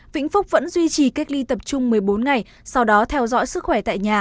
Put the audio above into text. vĩnh phúc vẫn duy trì cách ly tập trung một mươi bốn ngày sau đó theo dõi sức khỏe tại nhà